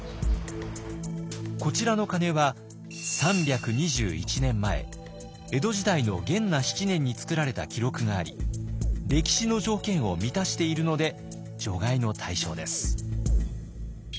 こちらの鐘は３２１年前江戸時代の元和７年に作られた記録があり歴史の条件を満たしているので除外の対象です。